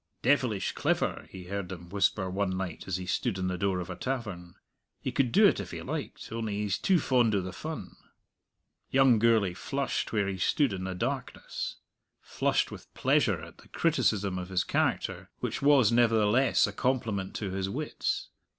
"Devilish clever!" he heard them whisper one night as he stood in the door of a tavern; "he could do it if he liked, only he's too fond o' the fun." Young Gourlay flushed where he stood in the darkness flushed with pleasure at the criticism of his character which was, nevertheless, a compliment to his wits.